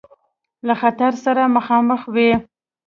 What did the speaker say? له خطر سره مخامخ وي.